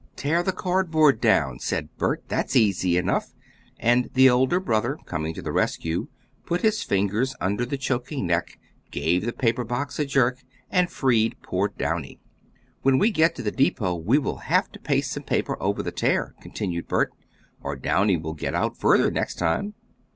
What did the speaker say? "Tear the cardboard down," said Bert. "That's easy enough," and the older brother, coming to the rescue, put his fingers under the choking neck, gave the paper box a jerk, and freed poor Downy. "When we get to the depot we will have to paste some paper over the tear," continued Bert, "or Downy will get out further next time."